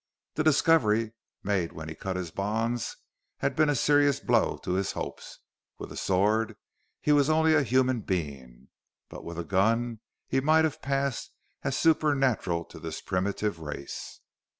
The discovery, made when he had cut his bonds, had been a serious blow to his hopes: with a sword, he was only a human being, but with a gun he might have passed as supernatural to this primitive race.